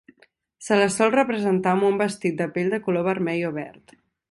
Se la sol representar amb un vestit de pell de color vermell o verd.